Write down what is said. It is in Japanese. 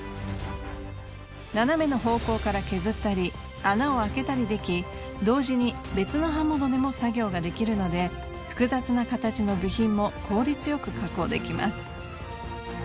斜めの方向から削ったり穴を開けたりでき同時に別の刃物でも作業ができるので複雑な形の部品も効率よく加工できます。